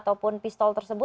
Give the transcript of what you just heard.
tahun enam belas sejultu